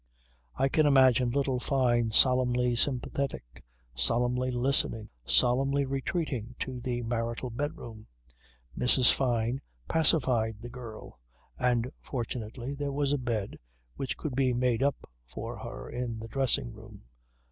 I can imagine little Fyne solemnly sympathetic, solemnly listening, solemnly retreating to the marital bedroom. Mrs. Fyne pacified the girl, and, fortunately, there was a bed which could be made up for her in the dressing room.